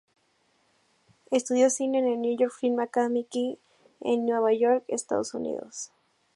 Estudió cine en el New York Film Academy en Nueva York, Estados Unidos.